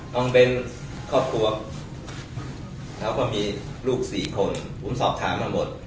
ต้องเป็นครอบครัวแล้วก็มีลูกสี่คนผมสอบถามมาหมด